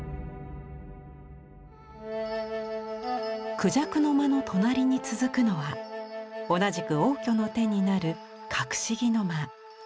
「孔雀の間」の隣に続くのは同じく応挙の手になる「郭子儀の間」。